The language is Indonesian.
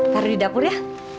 karo di dapur ya